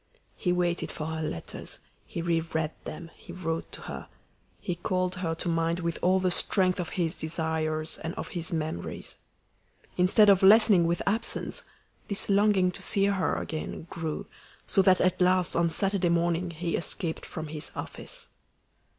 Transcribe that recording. He waited for her letters; he re read them; he wrote to her. He called her to mind with all the strength of his desires and of his memories. Instead of lessening with absence, this longing to see her again grew, so that at last on Saturday morning he escaped from his office.